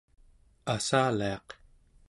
assaliaq